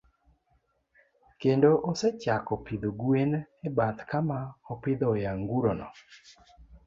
Kendo osechako pidho gwen e bath kama opidhoe anguro no.